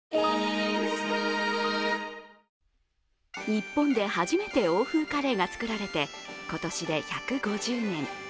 日本で初めて欧風カレーが作られて今年で１５０年。